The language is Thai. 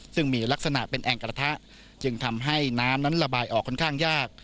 ซึ่งมีลักษณะเป็นแอ่งกระทะจึงทำให้น้ำนั้นระบายออกค่อนข้างยาก